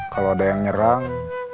kalau ada yang nyerang